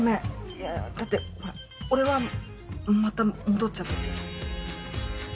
いやだってほら俺はまた戻っちゃったし。